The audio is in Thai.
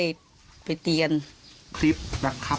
เกิดอะไรขึ้นกับสังคมนะนะครับ